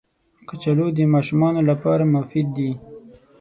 کچالو د ماشومانو لپاره مفید دي